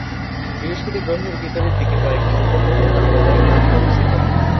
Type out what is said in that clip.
বৃহস্পতি গ্রহের ভিতরের দিকের কয়েকটি উপগ্রহ তার বলয়ের মধ্যে অবস্থিত।